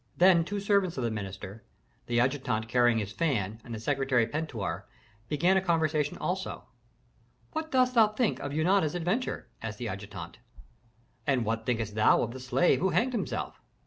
Then two servants of the minister, the adjutant carrying his fan and the secretary Pentuer, began a conversation also. "What dost thou think of Eunana's adventure?" asked the adjutant. "And what thinkest thou of the slave who hanged himself?"